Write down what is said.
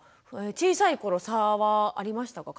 小さい頃差はありましたか？